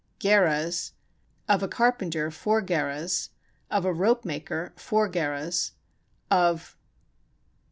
gerahs, of a carpenter four gerahs, of a rope maker four gerahs, of